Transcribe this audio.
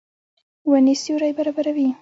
ونې سیوری برابروي.